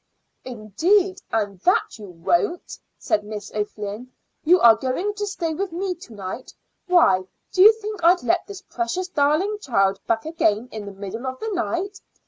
"Indeed, and that you won't," said Miss O'Flynn. "You are going to stay with me to night. Why, do you think I'd let this precious darling child back again in the middle of the night?